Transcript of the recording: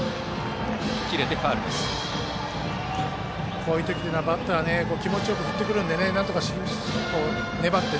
こういう時っていうのはバッター気持ちよく振ってくるのでなんとか粘って。